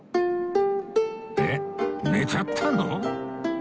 えっ寝ちゃったの？